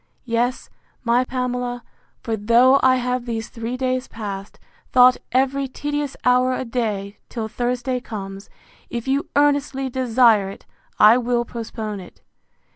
Yes, my Pamela; for though I have, these three days past, thought every tedious hour a day, till Thursday comes, if you earnestly desire it, I will postpone it.